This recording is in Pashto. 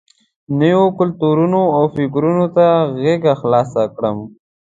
نویو کلتورونو او فکرونو ته غېږه خلاصه کړم.